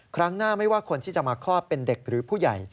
ครั้งหน้าไม่ว่าคนที่จะมาคลอดเป็นเด็กหรือผู้ใหญ่